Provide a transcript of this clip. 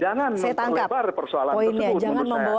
jangan memperlebar persoalan itu